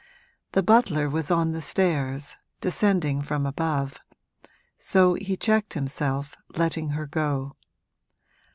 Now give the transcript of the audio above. The butler was on the stairs, descending from above; so he checked himself, letting her go.